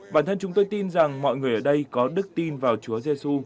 bản thân chúng tôi tin rằng mọi người ở đây có đức tin vào chúa giê xu